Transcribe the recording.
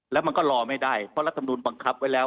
แล้วมันก็รอไม่ได้เพราะรัฐมนุนบังคับไว้แล้ว